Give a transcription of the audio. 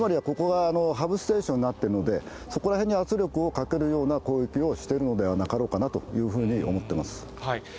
つまりは、ここがハブステーションになっているので、そこら辺に圧力をかけるような攻撃をしているのではなかろうかなというふうに思っています。